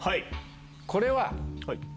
これは。